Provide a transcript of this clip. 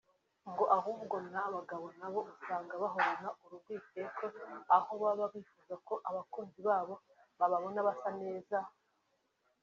ngo ahubwo n’abagabo nabo usanga bahorana uru rwikekwe aho baba bifuza ko abakunzi babo bababona basa neza